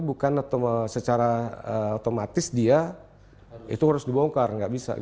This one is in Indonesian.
itu bukan secara otomatis dia itu harus dibongkar tidak bisa